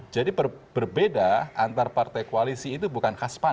jadi berbeda antar partai koalisi itu bukan khas pan